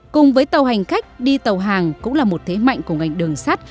cùng với tàu hành khách đi tàu hàng cũng là một thế mạnh của ngành đường sắt